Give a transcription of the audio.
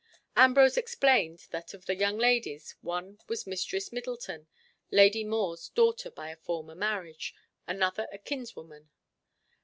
Ambrose explained that of the young ladies, one was Mistress Middleton, Lady More's daughter by a former marriage, another a kinswoman.